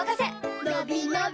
のびのび